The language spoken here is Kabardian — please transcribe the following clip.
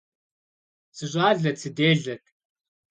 СыщӀалэт, сыделэт.